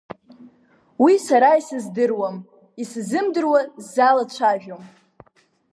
Уи сара исыздыруам, исзымдыруа сзалацәажәом…